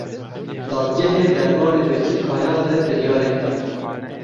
Dadgehê derbarê Bekir Kaya de biryarek da.